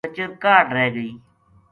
کچر کاہڈ رہ گئی